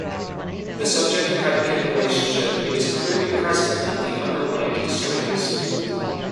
The subject-predicate relationship is clearly present in the underlined strings.